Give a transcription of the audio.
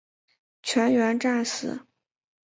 全员战死。